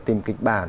tìm kịch bản